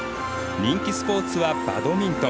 人気スポーツはバドミントン。